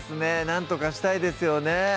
なんとかしたいですよね